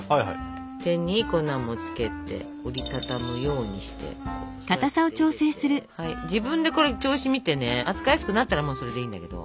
手に粉もつけて折り畳むようにしてこうやって入れて自分でこれ調子を見てね扱いやすくなったらもうそれでいいんだけど。